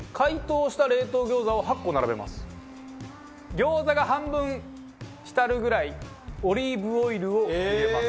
餃子が半分浸るぐらいオリーブオイルを入れます。